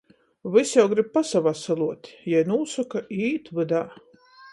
Vys jau grib pasavasaluot, jei nūsoka i īt vydā.